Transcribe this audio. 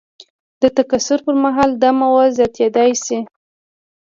د تکثر پر مهال دا مواد زیاتیدای شي.